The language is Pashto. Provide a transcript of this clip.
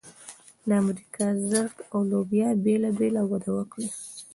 د امریکا ذرت او لوبیا بېله بېله وده وکړه.